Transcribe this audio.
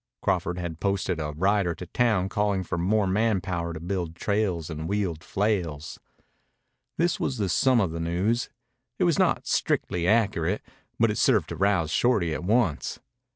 Crawford had posted a rider to town calling for more man power to build trails and wield flails. This was the sum of the news. It was not strictly accurate, but it served to rouse Shorty at once.